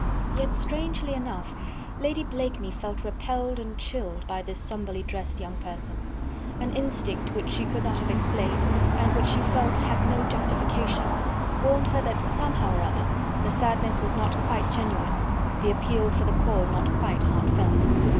Yet, strangely enough, Lady Blakeney felt repelled and chilled by this sombrely dressed young person: an instinct, which she could not have explained and which she felt had no justification, warned her that somehow or other, the sadness was not quite genuine, the appeal for the poor not quite heartfelt.